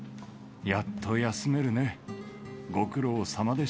やっと休めるね。